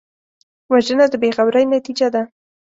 وژنه د بېغورۍ نتیجه ده